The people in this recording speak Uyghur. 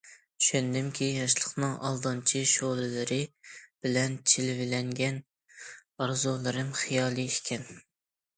چۈشەندىمكى، ياشلىقنىڭ ئالدامچى شولىلىرى بىلەن جىلۋىلەنگەن ئارزۇلىرىم- خىيالىي ئىكەن.